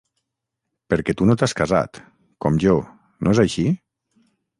Perquè tu no t'has casat, com jo, no és així?